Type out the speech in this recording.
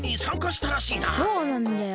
そうなんだよ。